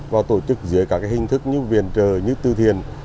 và tổ chức dưới các hình thức như viền trời như tư thiền